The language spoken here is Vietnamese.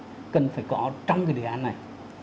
đó là điều rất quan trọng cần phải có trong cái đề án này